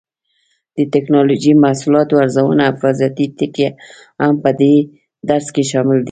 د ټېکنالوجۍ محصولاتو ارزونه او حفاظتي ټکي هم په دې درس کې شامل دي.